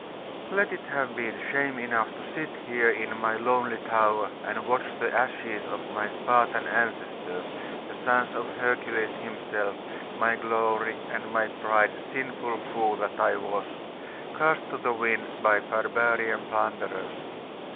Let it have been shame enough to sit here in my lonely tower and watch the ashes of my Spartan ancestors, the sons of Hercules himself, my glory and my pride, sinful fool that I was! cast to the winds by barbarian plunderers....